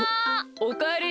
おかえり。